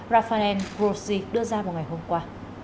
rafael grossi đưa ra một ngày hôm qua